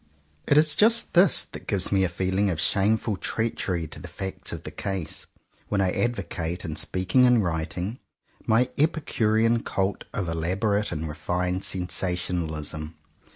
It is just this that gives me a feeling of shameful treachery to the facts of the case, when I advocate, in speaking and writing, my epicurean cult of elaborate and refined sensationalism.